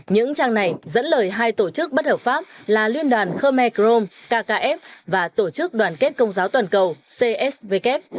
những trang này dẫn lời hai tổ chức bất hợp pháp là liên đoàn khơ me crom kkf và tổ chức đoàn kết công giáo toàn cầu cswkf